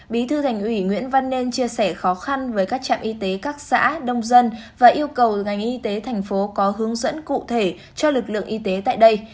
bí thư thành ủy nguyễn văn nên chia sẻ khó khăn với các trạm y tế các xã đông dân và yêu cầu ngành y tế thành phố có hướng dẫn cụ thể cho lực lượng y tế tại đây